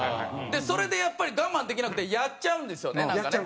それでやっぱり我慢できなくてやっちゃうんですよねなんかね。